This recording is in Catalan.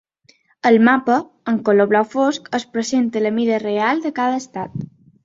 Al mapa, en color blau fosc, es presenta la mida real de cada estat.